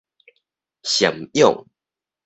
贍養